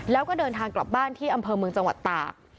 แล้วก็เดินทางกลับบ้านที่อำเภอเมืองจังหวัดตาก